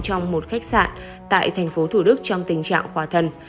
trong một khách sạn tại tp thủ đức trong tình trạng khóa thần